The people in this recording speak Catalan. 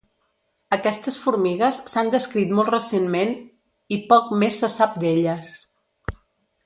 Aquestes formigues s'han descrit molt recentment i poc més se sap d'elles.